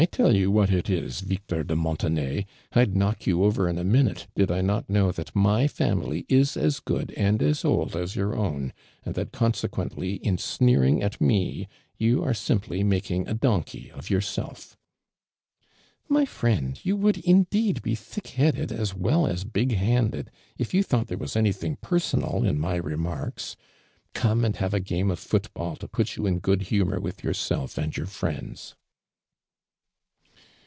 1 tell you what it is, Victor de Montenay, I'd knock you over in a minute, did 1 not know that my family is as good anrl as old asyourown, and thatconse(|uently, in sneer ing at me, you are simply making a donkey of yourself." " My frien<l, you would indeed be thick headed as well as big handed if you thought there was anything personal 'n\ my remarks. Come and have a game of foot" bill to put you in good lumior with yourself and your friends